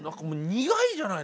苦いじゃない。